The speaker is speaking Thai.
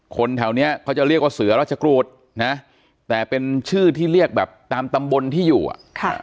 คนแถวเนี้ยเขาจะเรียกว่าเสือราชกรูดนะแต่เป็นชื่อที่เรียกแบบตามตำบลที่อยู่อ่ะค่ะ